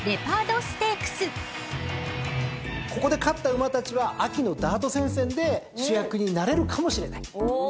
ここで勝った馬たちは秋のダート戦線で主役になれるかもしれない。